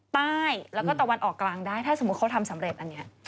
ใต้แล้วก็ตะวันออกกลางได้ถ้าสมมุติเขาทำสำเร็จอันนี้